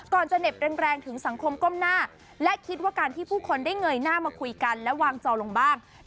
จะเหน็บแรงถึงสังคมก้มหน้าและคิดว่าการที่ผู้คนได้เงยหน้ามาคุยกันและวางจอลงบ้าง